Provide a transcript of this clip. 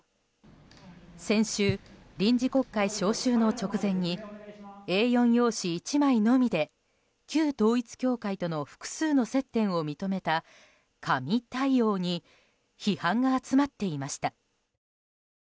先週、臨時国会召集の直前にＡ４用紙１枚のみで旧統一教会との複数の接点を認めた紙対応に批判が集まっていました。